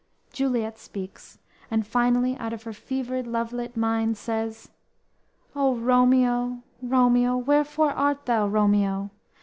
"_ Juliet speaks, and finally out of her fevered, love lit mind says: _"O, Romeo, Romeo! wherefore art thou Romeo?